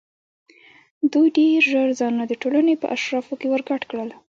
دوی ډېر ژر ځانونه د ټولنې په اشرافو کې ورګډ کړل.